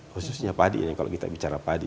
khususnya padi ini kalau kita bicara padi